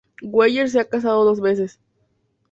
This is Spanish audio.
Weller se ha casado dos veces.